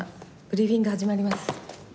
ブリーフィング始まります。